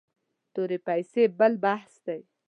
تورې پیسې بل بحث دی.